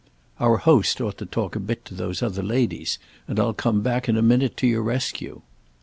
Our host ought to talk a bit to those other ladies, and I'll come back in a minute to your rescue."